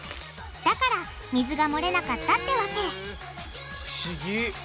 だから水がもれなかったってわけ不思議！